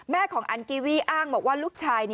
ของอันกีวี่อ้างบอกว่าลูกชาย